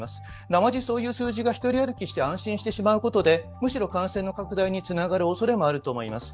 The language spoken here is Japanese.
なまじそういう数字がひとり歩きして安心してしまうことでむしろ感染の拡大につながるおそれもあると思います。